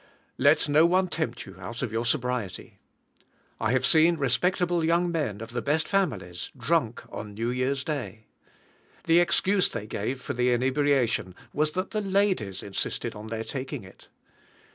Let no one tempt you out of your sobriety. I have seen respectable young men of the best families drunk on New Year's day. The excuse they gave for the inebriation was that the ladies insisted on their taking it.